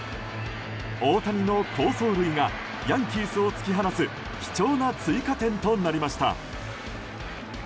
大谷の好走塁がヤンキースを突き放す貴重な追加点となりました。